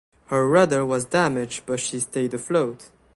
Her rudder was damaged but she stayed afloat.